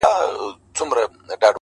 مرغۍ الوتې وه. خالي قفس ته ودرېدم .